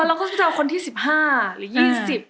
เราก็จะเป็นคนที่สิบห้าหรือยี่สิบ